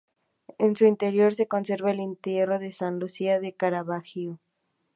En su interior se conserva "El entierro de Santa Lucía" de Caravaggio.